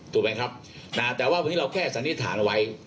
ถูกไหมครับนะแต่ว่าวันนี้เราแค่สันนิษฐานเอาไว้